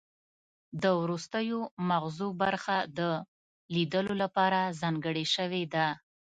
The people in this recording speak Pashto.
د وروستیو مغزو برخه د لیدلو لپاره ځانګړې شوې ده